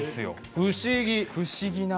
不思議。